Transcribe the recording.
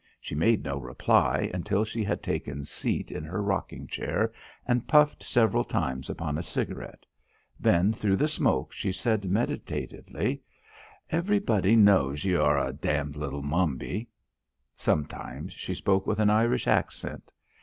She made no reply until she had taken seat in her rocking chair and puffed several times upon a cigarette. Then through the smoke she said meditatively: "Everybody knows ye are a damned little mambi." Sometimes she spoke with an Irish accent.